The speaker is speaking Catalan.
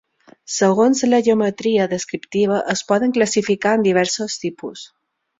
Segons la geometria descriptiva es poden classificar en diversos tipus.